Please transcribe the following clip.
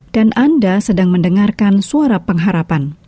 dan anda sedang mendengarkan suara pengharapan